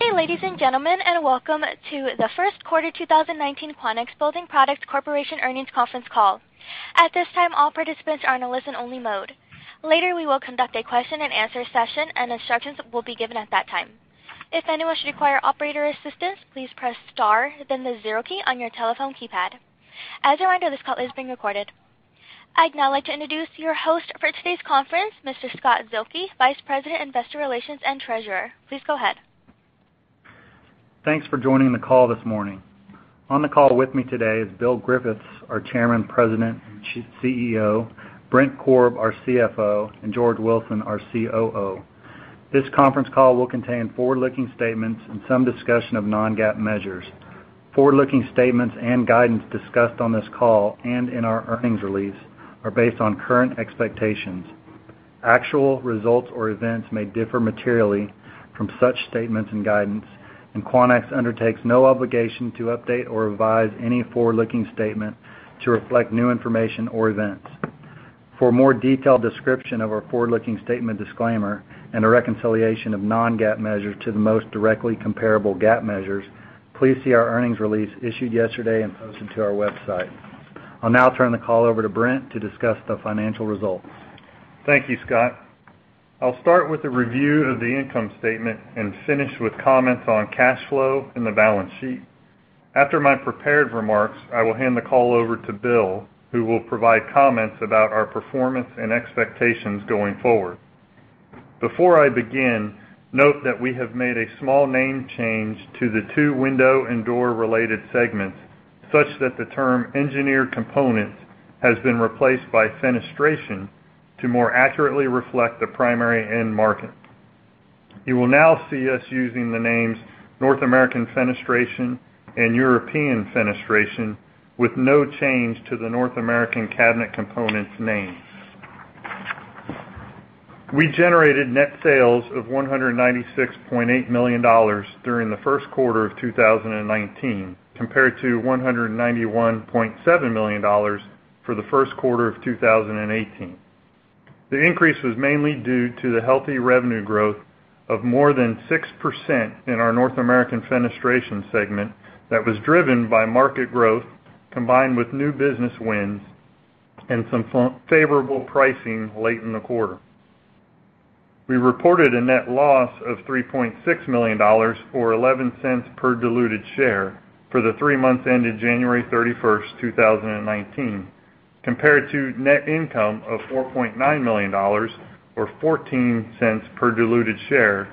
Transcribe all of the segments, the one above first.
Good day, ladies and gentlemen, welcome to the Q1 2019 Quanex Building Products Corporation earnings conference call. At this time, all participants are in a listen only mode. Later, we will conduct a question and answer session, instructions will be given at that time. If anyone should require operator assistance, please press star then the zero key on your telephone keypad. As a reminder, this call is being recorded. I'd now like to introduce your host for today's conference, Mr. Scott Zuehlke, Vice President, Investor Relations and Treasurer. Please go ahead. Thanks for joining the call this morning. On the call with me today is Bill Griffiths, our Chairman, President, and CEO, Brent Korb, our CFO, and George Wilson, our COO. This conference call will contain forward-looking statements and some discussion of non-GAAP measures. Forward-looking statements and guidance discussed on this call and in our earnings release are based on current expectations. Actual results or events may differ materially from such statements and guidance. Quanex undertakes no obligation to update or revise any forward-looking statement to reflect new information or events. For a more detailed description of our forward-looking statement disclaimer and a reconciliation of non-GAAP measures to the most directly comparable GAAP measures, please see our earnings release issued yesterday and posted to our website. I'll now turn the call over to Brent to discuss the financial results. Thank you, Scott. I'll start with a review of the income statement and finish with comments on cash flow and the balance sheet. After my prepared remarks, I will hand the call over to Bill, who will provide comments about our performance and expectations going forward. Before I begin, note that we have made a small name change to the two window and door-related segments, such that the term engineered components has been replaced by fenestration to more accurately reflect the primary end market. You will now see us using the names North American Fenestration and European Fenestration with no change to the North American Cabinet Components name. We generated net sales of $196.8 million during the Q1 of 2019 compared to $191.7 million for the Q1 of 2018. The increase was mainly due to the healthy revenue growth of more than 6% in our North American Fenestration segment that was driven by market growth, combined with new business wins and some favorable pricing late in the quarter. We reported a net loss of $3.6 million or $0.11 per diluted share for the three months ended January 31st, 2019, compared to net income of $4.9 million or $0.14 per diluted share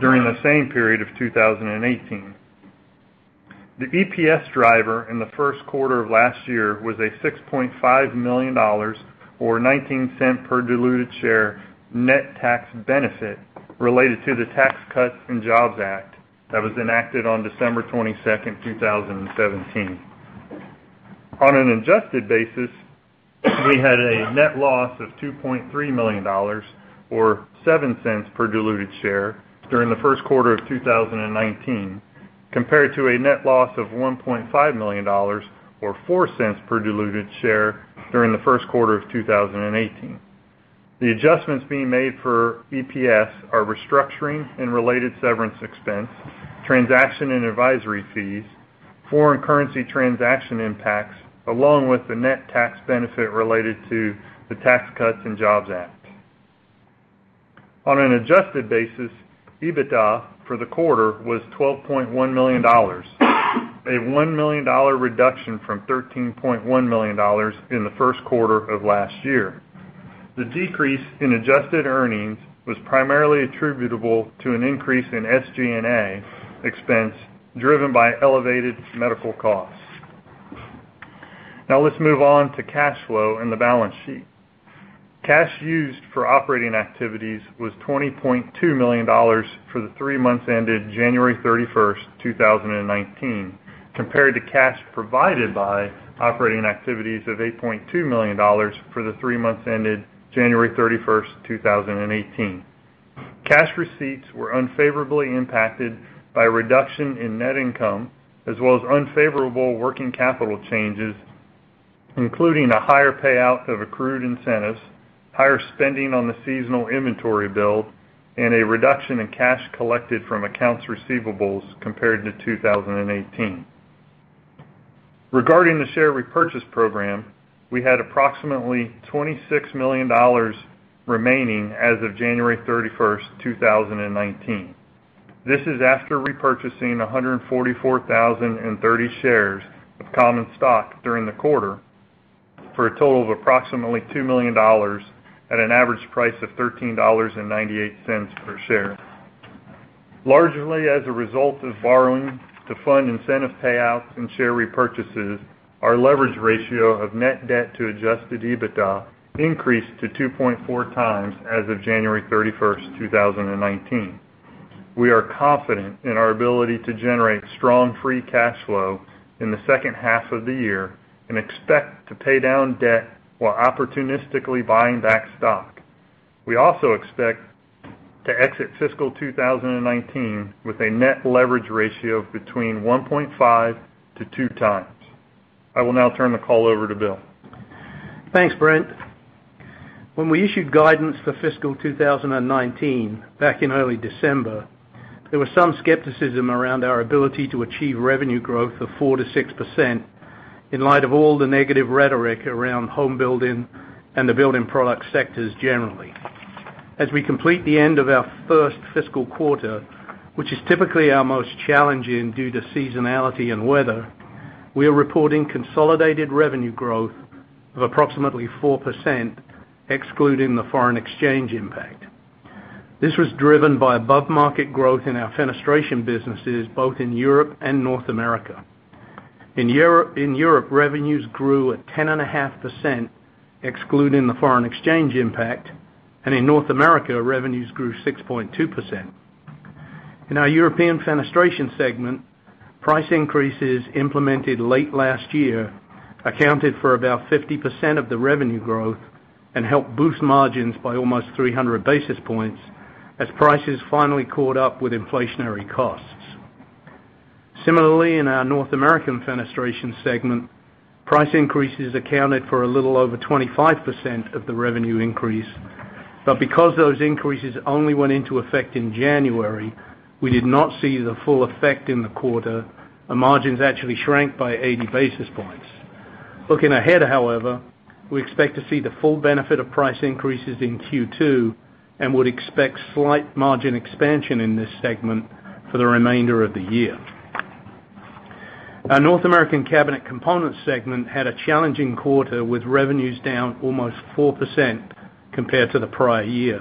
during the same period of 2018. The EPS driver in the Q1 of last year was a $6.5 million or $0.19 per diluted share net tax benefit related to the Tax Cuts and Jobs Act that was enacted on December 22nd, 2017. On an adjusted basis, we had a net loss of $2.3 million or $0.07 per diluted share during the Q1 of 2019, compared to a net loss of $1.5 million or $0.04 per diluted share during the Q1 of 2018. The adjustments being made for EPS are restructuring and related severance expense, transaction and advisory fees, foreign currency transaction impacts, along with the net tax benefit related to the Tax Cuts and Jobs Act. On an adjusted basis, EBITDA for the quarter was $12.1 million, a $1 million reduction from $13.1 million in the Q1 of last year. The decrease in adjusted earnings was primarily attributable to an increase in SG&A expense, driven by elevated medical costs. Let's move on to cash flow and the balance sheet. Cash used for operating activities was $20.2 million for the three months ended January 31st, 2019, compared to cash provided by operating activities of $8.2 million for the three months ended January 31st, 2018. Cash receipts were unfavorably impacted by a reduction in net income, as well as unfavorable working capital changes, including a higher payout of accrued incentives, higher spending on the seasonal inventory build, and a reduction in cash collected from accounts receivables compared to 2018. Regarding the share repurchase program, we had approximately $26 million remaining as of January 31st, 2019. This is after repurchasing 144,030 shares of common stock during the quarter for a total of approximately $2 million at an average price of $13.98 per share. Largely as a result of borrowing to fund incentive payouts and share repurchases, our leverage ratio of net debt to adjusted EBITDA increased to 2.4 times as of January 31st, 2019. We are confident in our ability to generate strong free cash flow in the second half of the year and expect to pay down debt while opportunistically buying back stock. We also expect to exit fiscal 2019 with a net leverage ratio of between 1.5x to 2x. I will now turn the call over to Bill. Thanks, Brent. When we issued guidance for fiscal 2019 back in early December, there was some skepticism around our ability to achieve revenue growth of 4%-6% in light of all the negative rhetoric around home building and the building product sectors generally. As we complete the end of our first fiscal quarter, which is typically our most challenging due to seasonality and weather, we are reporting consolidated revenue growth of approximately 4%, excluding the foreign exchange impact. This was driven by above-market growth in our fenestration businesses, both in Europe and North America. In Europe, revenues grew at 10.5%, excluding the foreign exchange impact, and in North America, revenues grew 6.2%. In our European Fenestration segment, price increases implemented late last year accounted for about 50% of the revenue growth and helped boost margins by almost 300 basis points as prices finally caught up with inflationary costs. Similarly, in our North American Fenestration segment, price increases accounted for a little over 25% of the revenue increase, but because those increases only went into effect in January, we did not see the full effect in the quarter, and margins actually shrank by 80 basis points. Looking ahead, however, we expect to see the full benefit of price increases in Q2 and would expect slight margin expansion in this segment for the remainder of the year. Our North American Cabinet Components segment had a challenging quarter, with revenues down almost 4% compared to the prior year.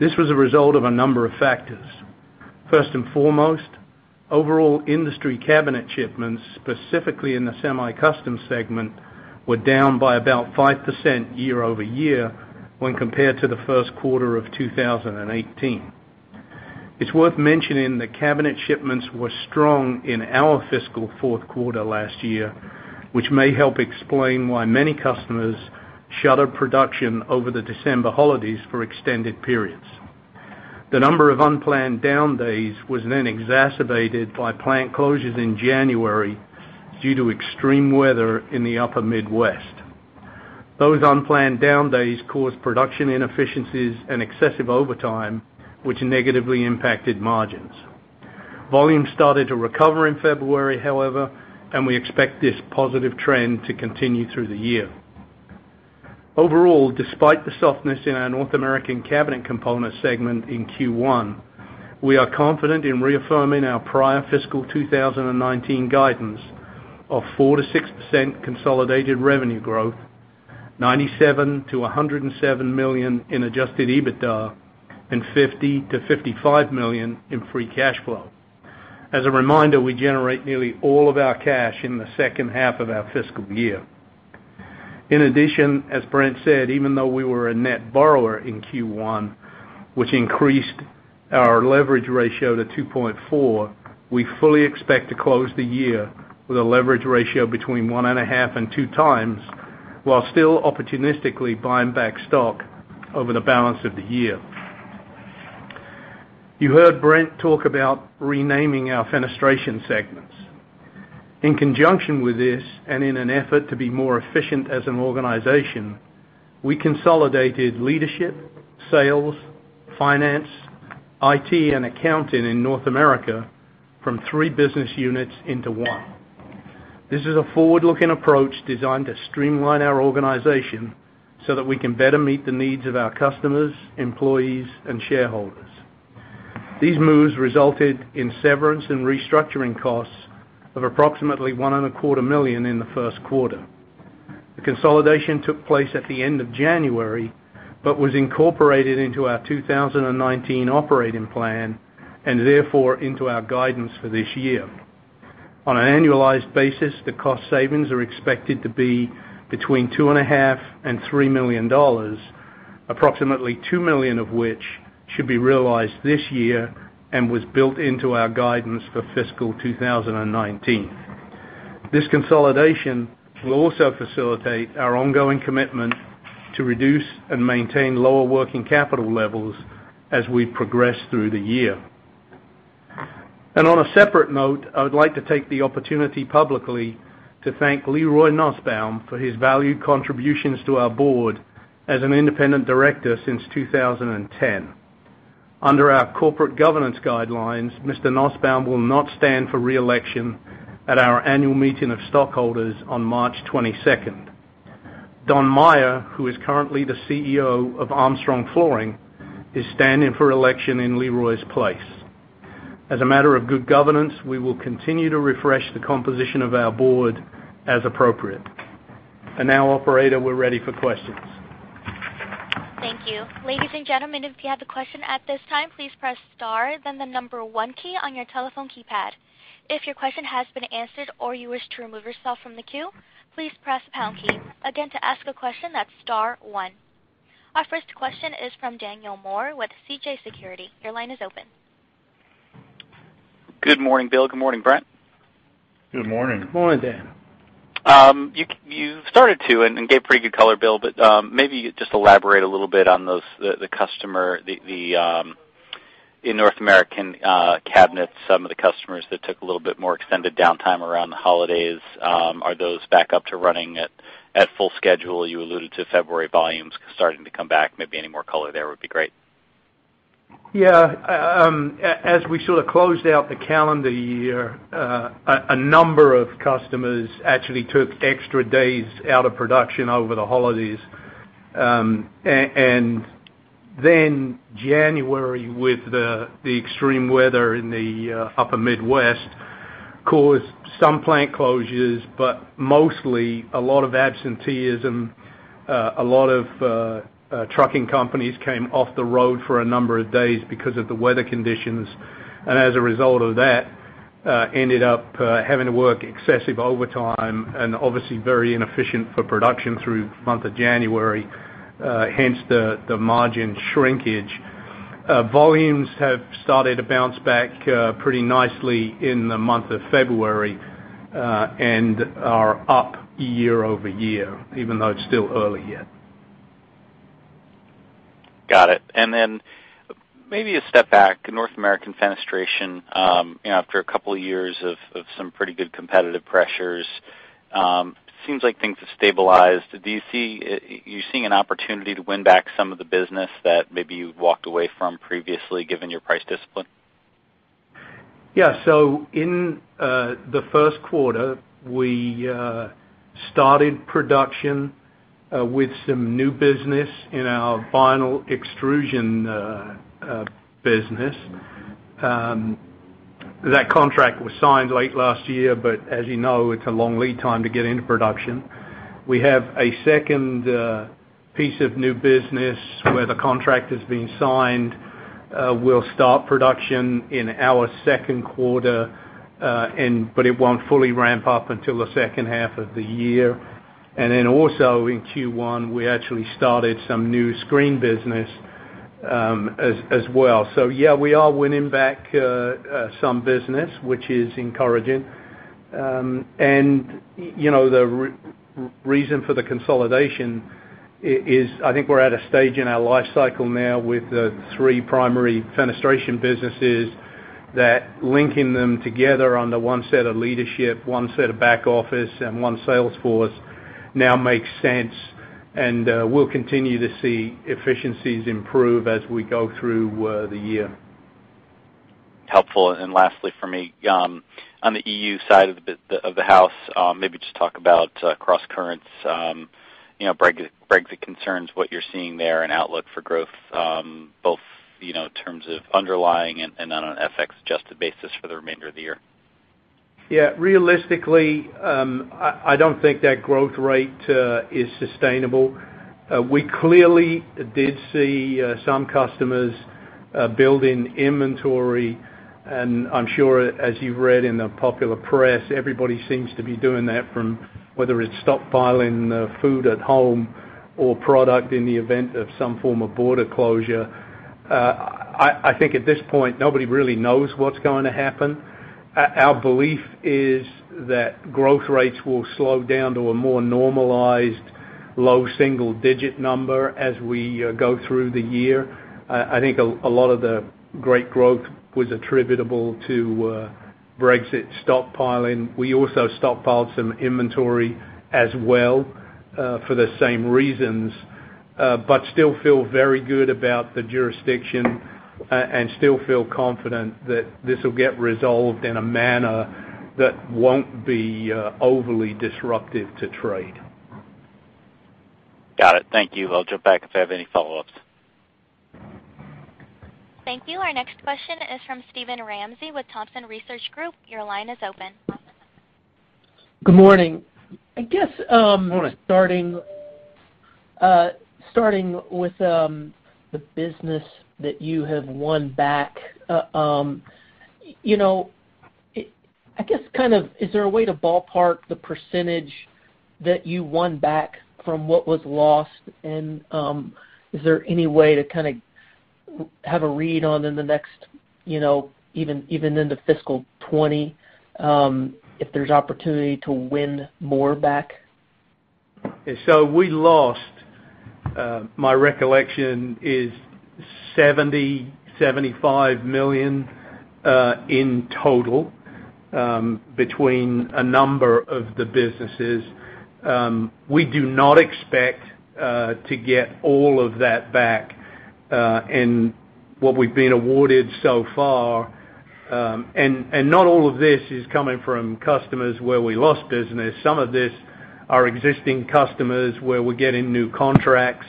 This was a result of a number of factors. First and foremost, overall industry cabinet shipments, specifically in the semi-custom segment, were down by about 5% year-over-year when compared to the Q1 of 2018. It's worth mentioning that cabinet shipments were strong in our fiscal Q4 last year, which may help explain why many customers shuttered production over the December holidays for extended periods. The number of unplanned down days was exacerbated by plant closures in January due to extreme weather in the upper Midwest. Those unplanned down days caused production inefficiencies and excessive overtime, which negatively impacted margins. Volumes started to recover in February, however, and we expect this positive trend to continue through the year. Overall, despite the softness in our North American Cabinet Components segment in Q1, we are confident in reaffirming our prior fiscal 2019 guidance of 4%-6% consolidated revenue growth, $97 million-$107 million in adjusted EBITDA, and $50 million-$55 million in free cash flow. As a reminder, we generate nearly all of our cash in the H2 of our fiscal year. In addition, as Brent said, even though we were a net borrower in Q1, which increased our leverage ratio to 2.4, we fully expect to close the year with a leverage ratio between 1.5x and 2x, while still opportunistically buying back stock over the balance of the year. You heard Brent talk about renaming our fenestration segments. In conjunction with this, in an effort to be more efficient as an organization, we consolidated leadership, sales, finance, IT, and accounting in North America from three business units into one. This is a forward-looking approach designed to streamline our organization so that we can better meet the needs of our customers, employees, and shareholders. These moves resulted in severance and restructuring costs of approximately $1.25 million in the Q1. The consolidation took place at the end of January but was incorporated into our 2019 operating plan and therefore into our guidance for this year. On an annualized basis, the cost savings are expected to be between $2.5 million and $3 million, approximately $2 million of which should be realized this year and was built into our guidance for fiscal 2019. This consolidation will also facilitate our ongoing commitment to reduce and maintain lower working capital levels as we progress through the year. On a separate note, I would like to take the opportunity publicly to thank Leroy Nussbaum for his valued contributions to our board as an independent director since 2010. Under our corporate governance guidelines, Mr. Nussbaum will not stand for re-election at our annual meeting of stockholders on March 22nd. Don Maier, who is currently the CEO of Armstrong Flooring, is standing for election in Leroy's place. As a matter of good governance, we will continue to refresh the composition of our board as appropriate. Now, operator, we're ready for questions. Thank you. Ladies and gentlemen, if you have a question at this time, please press star then the number one key on your telephone keypad. If your question has been answered or you wish to remove yourself from the queue, please press pound key. Again, to ask a question, that's star one. Our first question is from Daniel Moore with CJS Securities. Your line is open. Good morning, Bill. Good morning, Brent. Good morning. Good morning, Dan. You started to and gave pretty good color, Bill, maybe just elaborate a little bit on the customer, in North American Cabinet Components, some of the customers that took a little bit more extended downtime around the holidays, are those back up to running at full schedule? You alluded to February volumes starting to come back. Maybe any more color there would be great. Yeah. As we sort of closed out the calendar year, a number of customers actually took extra days out of production over the holidays. January, with the extreme weather in the upper Midwest, caused some plant closures, but mostly a lot of absenteeism. A lot of trucking companies came off the road for a number of days because of the weather conditions. As a result of that, ended up having to work excessive overtime and obviously very inefficient for production through the month of January. Hence the margin shrinkage. Volumes have started to bounce back pretty nicely in the month of February, and are up year-over-year, even though it's still early yet. Got it. Maybe a step back. North American Fenestration, after a couple of years of some pretty good competitive pressures, seems like things have stabilized. Are you seeing an opportunity to win back some of the business that maybe you walked away from previously, given your price discipline? In the Q1, we started production with some new business in our vinyl extrusion business. That contract was signed late last year, but as you know, it's a long lead time to get into production. We have a second piece of new business where the contract has been signed. We'll start production in our Q2, but it won't fully ramp up until the second half of the year. Also in Q1, we actually started some new screen business as well. We are winning back some business, which is encouraging. The reason for the consolidation is I think we're at a stage in our life cycle now with the three primary fenestration businesses that linking them together under one set of leadership, one set of back office, and one sales force now makes sense. We'll continue to see efficiencies improve as we go through the year. Helpful. Lastly from me, on the EU side of the house, maybe just talk about cross currents, Brexit concerns, what you're seeing there and outlook for growth, both in terms of underlying and on an FX-adjusted basis for the remainder of the year. Realistically, I don't think that growth rate is sustainable. We clearly did see some customers building inventory, and I'm sure as you've read in the popular press, everybody seems to be doing that from whether it's stockpiling food at home or product in the event of some form of border closure. I think at this point, nobody really knows what's going to happen. Our belief is that growth rates will slow down to a more normalized low single-digit number as we go through the year. I think a lot of the great growth was attributable to Brexit stockpiling. We also stockpiled some inventory as well, for the same reasons. Still feel very good about the jurisdiction and still feel confident that this will get resolved in a manner that won't be overly disruptive to trade. Got it. Thank you. I'll jump back if I have any follow-ups. Thank you. Our next question is from Steven Ramsey with Thompson Research Group. Your line is open. Good morning. Morning Starting with the business that you have won back. I guess, is there a way to ballpark the percentage that you won back from what was lost, and is there any way to have a read on in the next, even into fiscal 2020, if there's opportunity to win more back? We lost, my recollection is $70 million-$75 million in total between a number of the businesses. We do not expect to get all of that back in what we've been awarded so far. Not all of this is coming from customers where we lost business. Some of this are existing customers where we're getting new contracts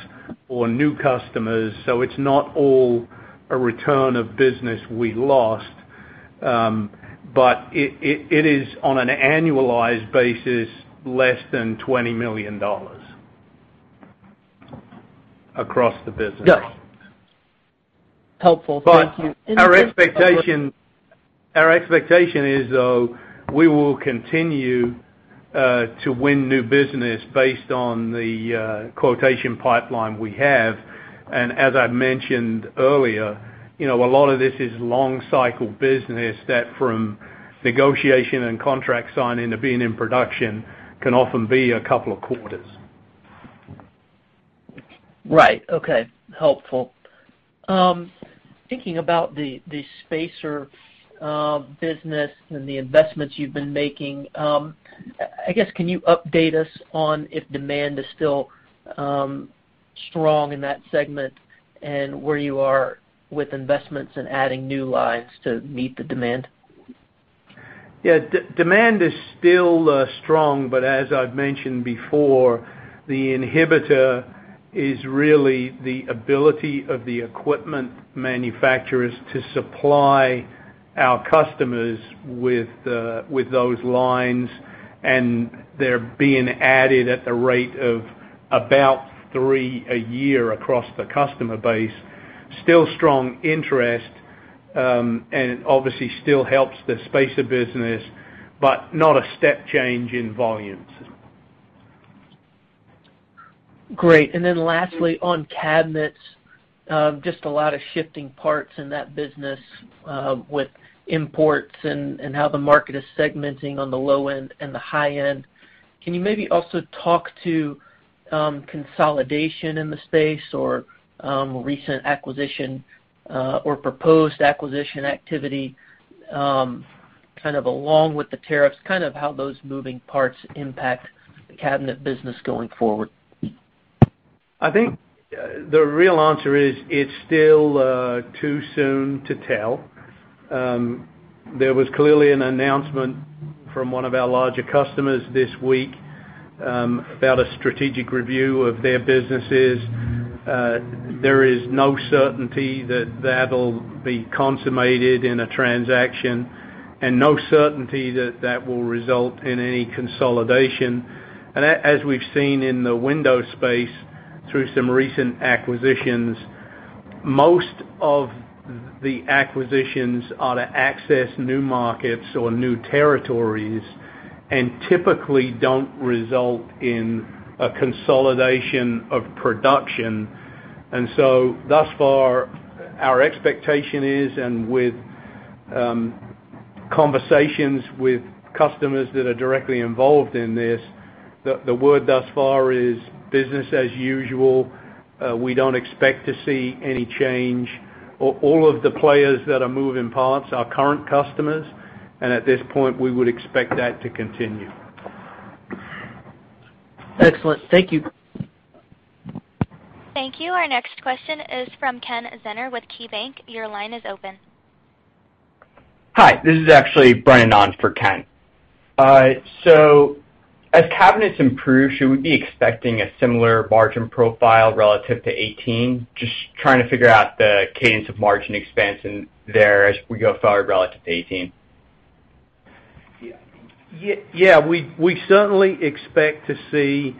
or new customers. It is not all a return of business we lost. It is on an annualized basis less than $20 million across the business. Got it. Helpful. Thank you. Our expectation is, though, we will continue to win new business based on the quotation pipeline we have. As I mentioned earlier, a lot of this is long cycle business that from negotiation and contract signing to being in production can often be a couple of quarters. Right. Okay. Helpful. Thinking about the spacer business and the investments you've been making, I guess, can you update us on if demand is still strong in that segment and where you are with investments in adding new lines to meet the demand? Yeah. Demand is still strong. As I've mentioned before, the inhibitor is really the ability of the equipment manufacturers to supply our customers with those lines, and they're being added at the rate of about three a year across the customer base. Still strong interest, obviously still helps the spacer business, but not a step change in volumes. Great. Lastly, on Cabinets, just a lot of shifting parts in that business with imports and how the market is segmenting on the low end and the high end. Can you maybe also talk to consolidation in the space or recent acquisition, or proposed acquisition activity, along with the tariffs, how those moving parts impact the Cabinet business going forward? I think the real answer is it's still too soon to tell. There was clearly an announcement from one of our larger customers this week about a strategic review of their businesses. There is no certainty that that'll be consummated in a transaction, no certainty that that will result in any consolidation. As we've seen in the window space through some recent acquisitions, most of the acquisitions are to access new markets or new territories and typically don't result in a consolidation of production. Thus far, our expectation is, and with conversations with customers that are directly involved in this, the word thus far is business as usual. We don't expect to see any change. All of the players that are moving parts are current customers, and at this point, we would expect that to continue. Excellent. Thank you. Thank you. Our next question is from Kenneth Zener with KeyBanc. Your line is open. Hi. This is actually Brian on for Ken. As cabinets improve, should we be expecting a similar margin profile relative to 2018? Just trying to figure out the cadence of margin expansion there as we go forward relative to 2018. Yeah. We certainly expect to see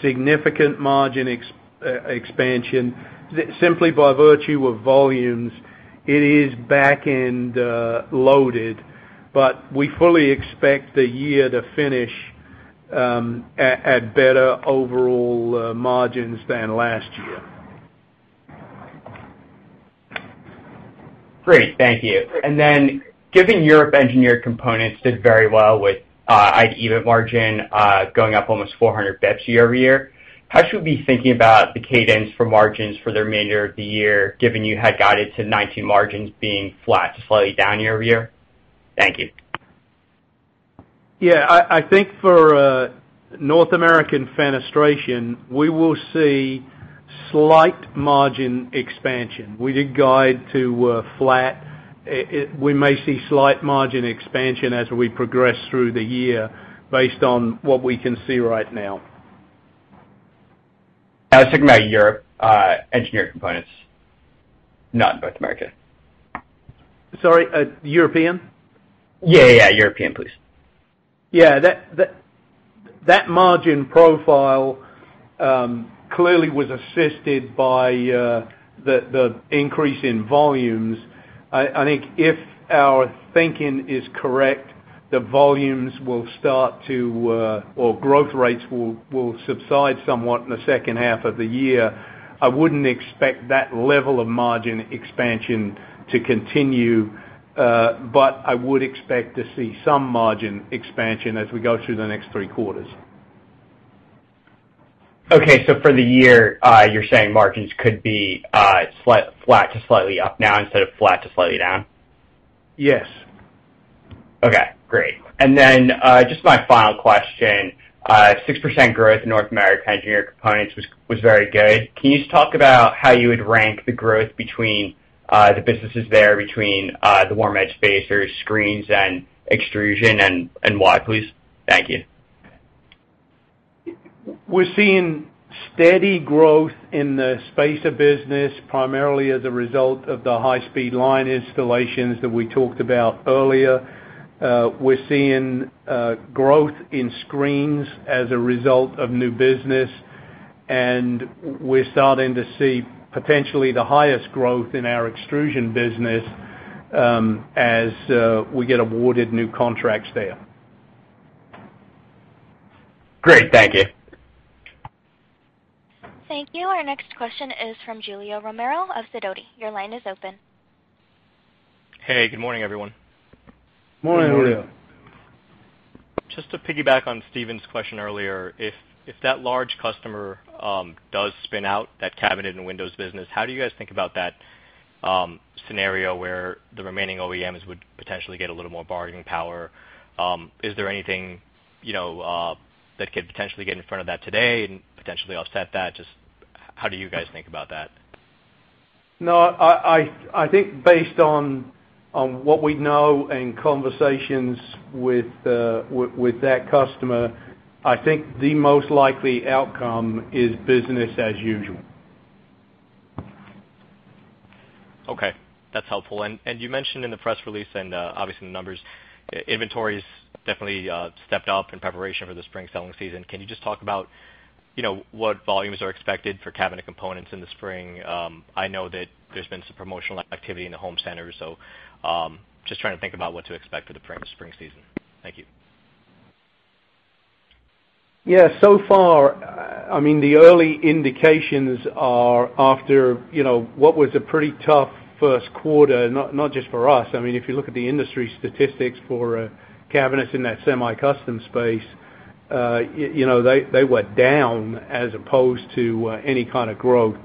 significant margin expansion. Simply by virtue of volumes, it is back-end loaded. We fully expect the year to finish at better overall margins than last year. Great. Thank you. Given Europe Engineered Components did very well with EBITDA margin going up almost 400 basis points year-over-year, how should we be thinking about the cadence for margins for the remainder of the year, given you had guided to 2019 margins being flat to slightly down year-over-year? Thank you. Yeah. I think for North American Fenestration, we will see slight margin expansion. We did guide to flat. We may see slight margin expansion as we progress through the year based on what we can see right now. I was thinking about Europe Engineered Components, not North America. Sorry. European? Yeah. European, please. Yeah. That margin profile clearly was assisted by the increase in volumes. I think if our thinking is correct, the volumes will or growth rates will subside somewhat in the H2 of the year. I wouldn't expect that level of margin expansion to continue. I would expect to see some margin expansion as we go through the next three quarters. Okay. For the year, you're saying margins could be flat to slightly up now instead of flat to slightly down? Yes. Okay, great. Just my final question. 6% growth in North America Engineered Components was very good. Can you just talk about how you would rank the growth between the businesses there between the warm edge spacers, screens, and extrusion, and why, please? Thank you. We're seeing steady growth in the spacer business, primarily as a result of the high-speed line installations that we talked about earlier. We're seeing growth in screens as a result of new business, we're starting to see potentially the highest growth in our extrusion business as we get awarded new contracts there. Great. Thank you. Thank you. Our next question is from Julio Romero of Sidoti. Your line is open. Hey, good morning, everyone. Morning, Julio. Just to piggyback on Steven's question earlier, if that large customer does spin out that cabinet and windows business, how do you guys think about that scenario where the remaining OEMs would potentially get a little more bargaining power? Is there anything that could potentially get in front of that today and potentially offset that? Just how do you guys think about that? No, I think based on what we know and conversations with that customer, I think the most likely outcome is business as usual. Okay, that's helpful. You mentioned in the press release and obviously in the numbers, inventories definitely stepped up in preparation for the spring selling season. Can you just talk about what volumes are expected for cabinet components in the spring? I know that there's been some promotional activity in the home centers, so just trying to think about what to expect for the spring season. Thank you. Yeah. Far, the early indications are after what was a pretty tough Q1, not just for us. If you look at the industry statistics for cabinets in that semi-custom space, they were down as opposed to any kind of growth.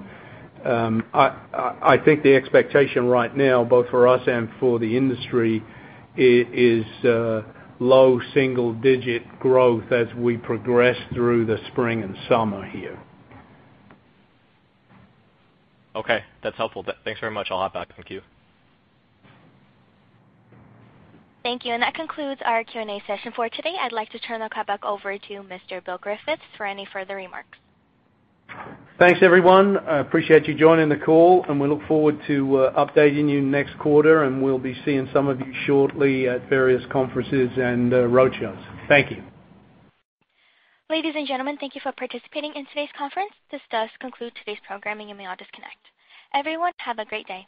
I think the expectation right now, both for us and for the industry, is low single-digit growth as we progress through the spring and summer here. Okay, that's helpful. Thanks very much. I'll hop back in the queue. Thank you. That concludes our Q&A session for today. I'd like to turn the call back over to Mr. Bill Griffiths for any further remarks. Thanks, everyone. I appreciate you joining the call, and we look forward to updating you next quarter. We'll be seeing some of you shortly at various conferences and road shows. Thank you. Ladies and gentlemen, thank you for participating in today's conference. This does conclude today's programming. You may all disconnect. Everyone, have a great day.